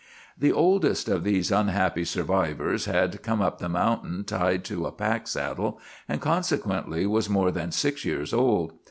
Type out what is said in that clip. The oldest of these unhappy survivors had come up the mountain tied to a pack saddle, and consequently was more than six years old.